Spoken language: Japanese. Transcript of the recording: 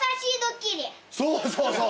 そうそうそう！